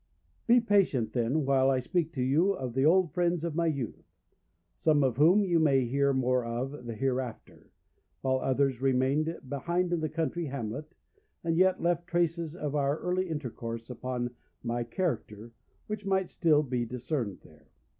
Be patient, then, while I speak to you of the old friends of my youth, some of whom you may hear more of hereafter, while others remained behind in the country hamlet, and yet left traces of our early intercourse upon my character which might still be discerned there.